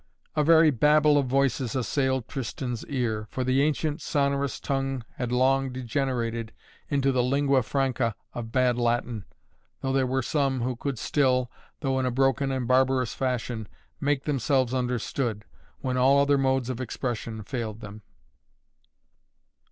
A very Babel of voices assailed Tristan's ear, for the ancient sonorous tongue had long degenerated into the lingua Franca of bad Latin, though there were some who could still, though in a broken and barbarous fashion, make themselves understood, when all other modes of expression failed them.